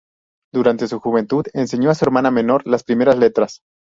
Durante su juventud enseñó a su hermana menor, las primeras letras.